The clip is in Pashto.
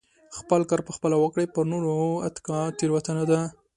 خپل کار په خپله وکړئ پر نورو اتکا تيروتنه ده .